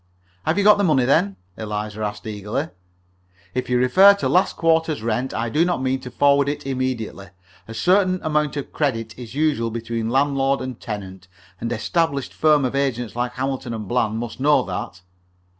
"Have you got the money, then?" Eliza asked, eagerly. "If you refer to last quarter's rent, I do not mean to forward it immediately. A certain amount of credit is usual between landlord and tenant. An established firm of agents like Hamilton & Bland must know that."